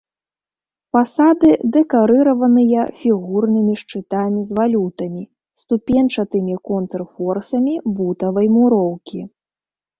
Фасады дэкарыраваныя фігурнымі шчытамі з валютамі, ступеньчатымі контрфорсамі бутавай муроўкі.